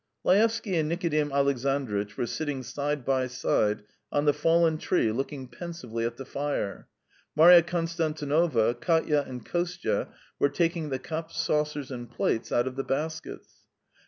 Laevsky and Nikodim Alexandritch were sitting side by side on the fallen tree looking pensively at the fire. Marya Konstantinovna, Katya, and Kostya were taking the cups, saucers, and plates out of the baskets.